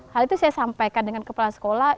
hal itu saya sampaikan dengan kepala sekolah